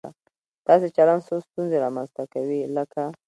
داسې چلن څو ستونزې رامنځته کوي، لکه